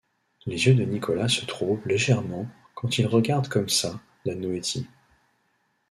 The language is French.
Les yeux de Nicolas se troublent légèrement quand il regarde comme ça la noétie.